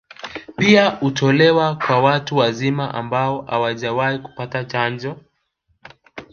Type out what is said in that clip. Pia hutolewa kwa watu wazima ambao hawajawahi kupata chanjo